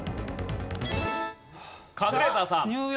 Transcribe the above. カズレーザーさん。